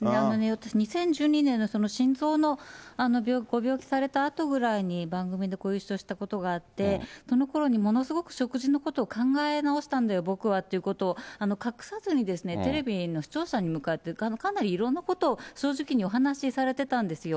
私ね、２０１２年の心臓のご病気されたあとぐらいに、番組でご一緒したことがあって、そのころにものすごく食事のことを考え直したんだよ、僕はっていうことを、隠さずに、テレビの視聴者に向かって、かなりいろんなことを正直にお話しされてたんですよ。